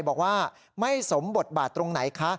บอกว่าไม่สมบทบาทตรงไหนคะ